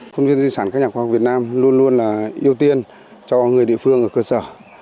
công viên di sản các nhà khoa học việt nam luôn luôn là ưu tiên cho người địa phương ở cơ sở